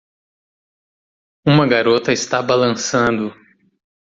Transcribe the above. Uma garota está balançando.